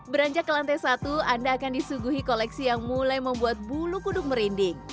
beranjak ke lantai satu anda akan disuguhi koleksi yang mulai membuat bulu kuduk merinding